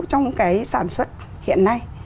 trong cái sản xuất hiện nay